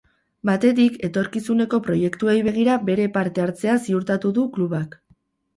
Batetik, etorkizuneko proiektuei begira bere parte hartzea ziurtatu du klubak.